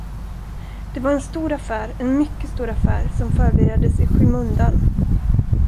Det var en stor affär, en mycket stor affär, som förbereddes i skymundan.